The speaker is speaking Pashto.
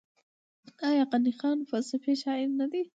آیا غني خان فلسفي شاعر نه دی؟